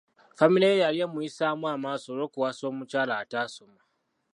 Famire ye yali emuyisaamu amaaso olw'okuwasa omukyala ataasoma.